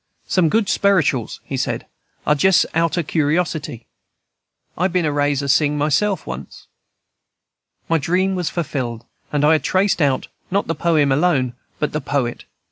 "Some good sperituals," he said, "are start jess out o' curiosity. I been a raise a sing, myself, once." My dream was fulfilled, and I had traced out, not the poem alone, but the poet.